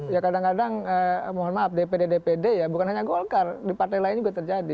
ya kadang kadang mohon maaf dpd dpd ya bukan hanya golkar di partai lain juga terjadi